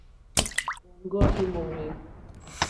Wɔ̂ŋɡɔ́ í mòwê.